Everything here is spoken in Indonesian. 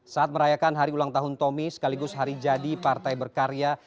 saat merayakan hari ulang tahun tommy sekaligus hari jadi partai berkarya